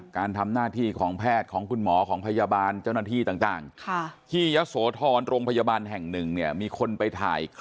การทำหน้าที่ของแพทย์ของคุณหมอของพยาบาลเจ้านักที่ต่างต่างค่ะ